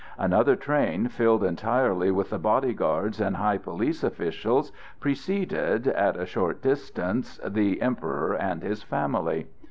Another train filled entirely with the body guards and high police officials preceded, at a short distance, the Emperor and his family.